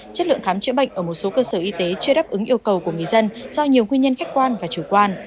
chất lượng khám chữa bệnh ở một số cơ sở y tế chưa đáp ứng yêu cầu của người dân do nhiều nguyên nhân khách quan và chủ quan